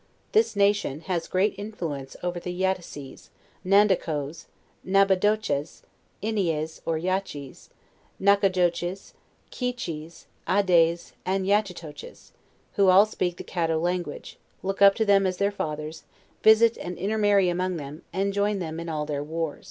This nation has great influence over the Yattassees, Nandakoes, Nabadaches, Inies or Yatchies, Nacogdoches, Keycchies, Adaize and Yat chitoches, who all speak the Caddo language, look up to them as their fathers; visit and intermarry among them, and join hem in all their wars.